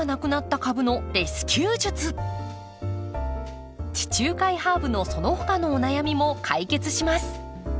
地中海ハーブのその他のお悩みも解決します。